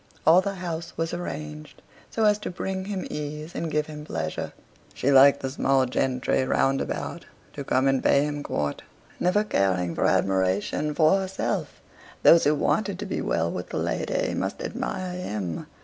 All the house was arranged so as to bring him ease and give him pleasure. She liked the small gentry round about to come and pay him court, never caring for admiration for herself; those who wanted to be well with the lady must admire him.